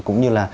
cũng như là